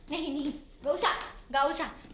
nih nih nih nggak usah nggak usah